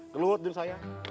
gelut din saya